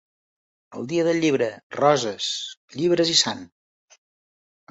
El dia del llibre: roses, llibres i sant.